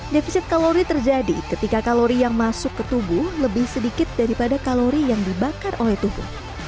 defisit kalori terjadi ketika kalori yang masuk ke tubuh lebih sedikit daripada kalori yang dibakar oleh tubuh